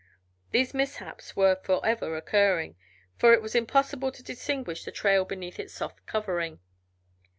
These mishaps were forever occurring, for it was impossible to distinguish the trail beneath its soft covering.